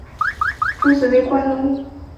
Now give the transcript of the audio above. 诸子为官奴。